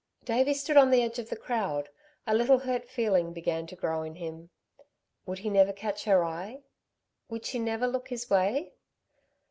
Davey stood on the edge of the crowd. A little hurt feeling began to grow in him. Would he never catch her eye? Would she never look his way?